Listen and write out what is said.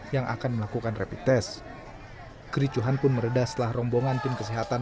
yang akan melakukan rapid test kericuhan pun meredah setelah rombongan tim kesehatan